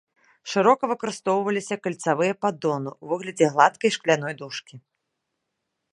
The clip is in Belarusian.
Шырока выкарыстоўваліся кальцавыя паддоны ў выглядзе гладкай шкляной дужкі.